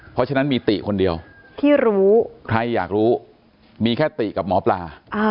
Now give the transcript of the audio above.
เพราะฉะนั้นมีติคนเดียวที่รู้ใครอยากรู้มีแค่ติกับหมอปลา